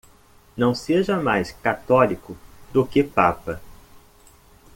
Não seja mais católico do que papa.